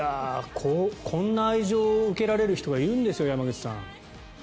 こんな愛情を受けられる人がいるんですよ、山口さん。